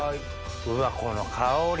うわこの香り。